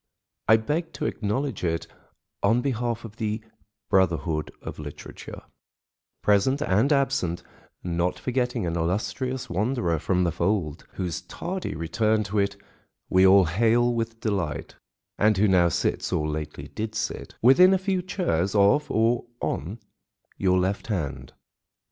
I beg to acknowledge it on behalf of the brotherhood of literature, present and absent, not forgetting an illustrious wanderer from the fold, whose tardy return to it we all hail with delight, and who now sits—or lately did sit—within a few chairs of or on your left hand.